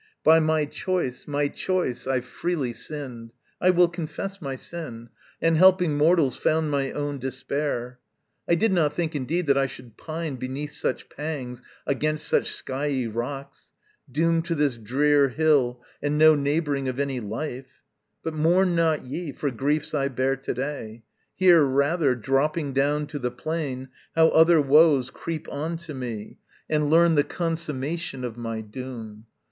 By my choice, my choice, I freely sinned I will confess my sin And helping mortals, found my own despair. I did not think indeed that I should pine Beneath such pangs against such skyey rocks, Doomed to this drear hill and no neighbouring Of any life: but mourn not ye for griefs I bear to day: hear rather, dropping down To the plain, how other woes creep on to me, And learn the consummation of my doom.